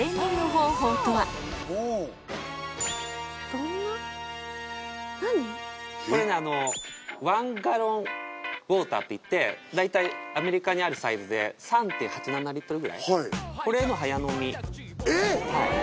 そんなこれワンガロンウォーターっていって大体アメリカにあるサイズでこれの早飲みえっ！？